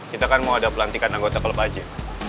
kita kan mau ada pelantikan anggota klub aja